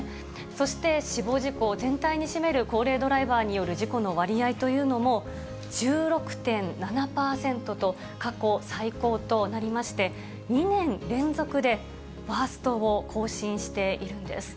そして、死亡事故全体に占める高齢ドライバーによる事故の割合というのも、１６．７％と、過去最高となりまして、２年連続でワーストを更新しているんです。